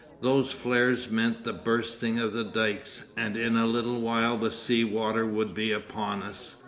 Those flares meant the bursting of the dykes, and in a little while the sea water would be upon us....